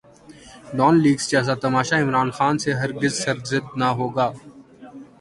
Dawn leaks جیسا تماشا عمران خان سے ہر گز سرزد نہ ہوگا۔